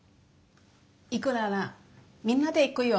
行くならみんなで行こうよ。